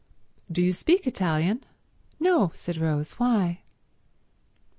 "Do you speak Italian?" "No," said Rose. "Why?"